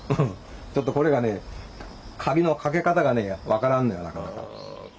ちょっとこれがねカギのかけ方がね分からんのよなかなか。